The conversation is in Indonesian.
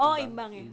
oh imbang ya